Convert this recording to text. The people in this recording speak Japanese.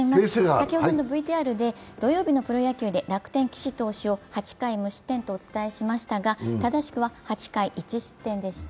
先ほど土曜日のプロ野球で、楽天・岸投手を８回無失点とお伝えしましたが、正しくは８回１失点でした。